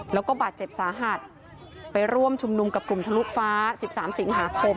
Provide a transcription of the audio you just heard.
แล้วก็บาดเจ็บสาหัสไปร่วมชุมนุมกับกลุ่มทะลุฟ้า๑๓สิงหาคม